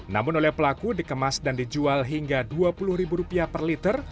namun oleh pelaku dikemas dan dijual hingga dua puluh ribu rupiah per liter